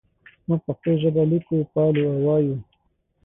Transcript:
موږ پښتو ژبه لیکو پالو او وایو.